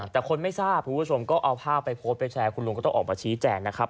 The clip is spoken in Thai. แต่คนไม่ทราบคุณผู้ชมก็เอาภาพไปโพสต์ไปแชร์คุณลุงก็ต้องออกมาชี้แจงนะครับ